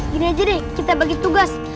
gini aja deh kita bagi tugas